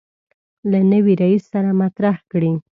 له نوي رئیس سره مطرح کړي.